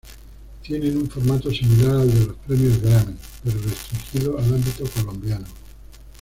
Tienen un formato similar al de los premios Grammy, pero restringido al ámbito colombiano.